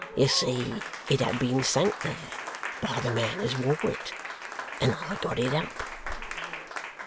You see, it had been sunk there by the man as wore it, and I got it up.